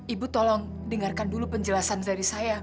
ibu tolong dengarkan dulu penjelasan dari saya